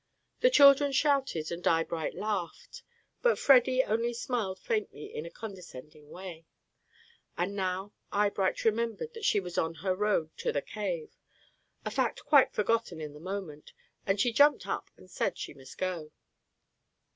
The children shouted and Eyebright laughed, but Freddy only smiled faintly in a condescending way. And now Eyebright remembered that she was on her road to the cave, a fact quite forgotten for the moment, and she jumped up and said she must go.